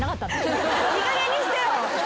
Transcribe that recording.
いいかげんにしてよ。